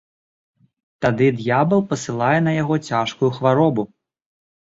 Тады д'ябал пасылае на яго цяжкую хваробу.